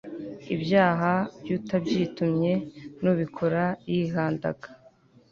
ibyaha by utabyitumye n ubikora yihandaga